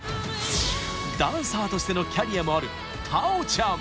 ダンサーとしてのキャリアもある太鳳ちゃん！